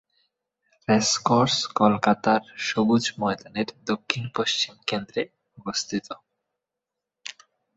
Racecourse কলকাতার সবুজ ময়দানের দক্ষিণ-পশ্চিম কেন্দ্রে অবস্থিত।